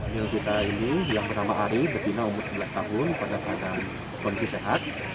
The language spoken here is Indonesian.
mil kita ini yang bernama ari betina umur sebelas tahun pada keadaan kondisi sehat